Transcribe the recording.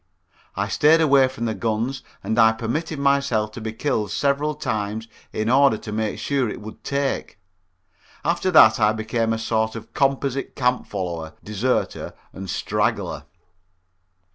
I stayed away from the guns and I permitted myself to be killed several times in order to make sure it would take. After that I became a sort of composite camp follower, deserter and straggler.